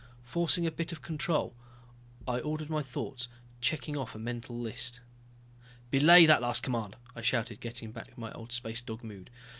Forcing a bit of control, I ordered my thoughts, checking off a mental list. "Belay that last command," I shouted, getting back into my old space dog mood.